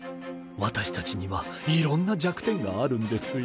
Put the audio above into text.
私たちにはいろんな弱点があるんですよ。